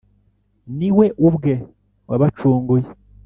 ni we ubwe wabacunguye.